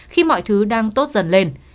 khi mọi thứ đang tốt dần lên